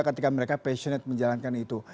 ketika mereka passionate menjalankan itu